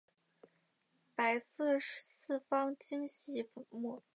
白色四方晶系粉末。